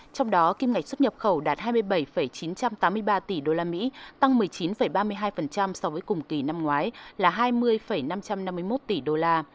trong đó kim ngạch xuất nhập khẩu đạt hai mươi bảy chín trăm tám mươi ba tỷ usd tăng một mươi chín ba mươi hai so với cùng kỳ năm ngoái là hai mươi năm trăm năm mươi một tỷ đô la